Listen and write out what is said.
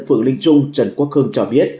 phường linh trung trần quốc hương cho biết